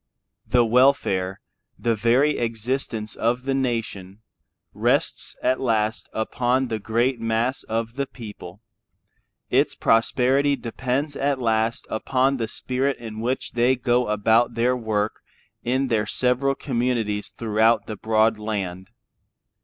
The welfare, the very existence of the nation, rests at last upon the great mass of the people; its prosperity depends at last upon the spirit in which they go about their work in their several communities throughout the broad land.